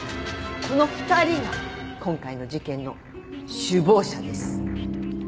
この２人が今回の事件の首謀者です。